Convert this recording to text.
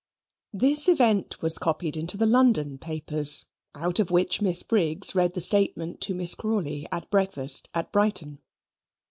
This event was copied into the London papers, out of which Miss Briggs read the statement to Miss Crawley, at breakfast, at Brighton.